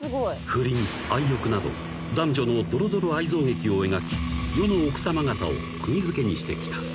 ［不倫愛欲など男女のどろどろ愛憎劇を描き世の奥さま方を釘付けにしてきた］